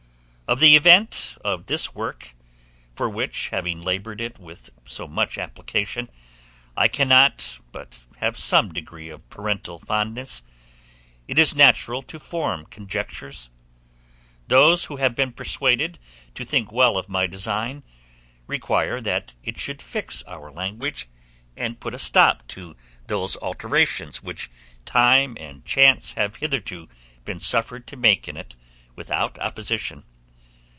Of the event of this work, for which; having labored it with so much application, I cannot but have some degree of parental fondness, it is natural to form conjectures. Those who have been persuaded to think well of my design, will require that it should fix our language, and put a stop to those alterations which time and chance have hitherto been suffered to make in it without opposition.